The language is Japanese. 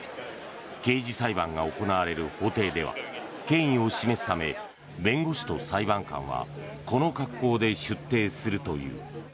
刑事裁判が行われる法廷では権威を示すため弁護士と裁判官はこの格好で出廷するという。